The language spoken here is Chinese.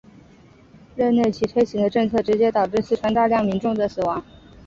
任内其推行的政策直接导致四川大量民众的死亡。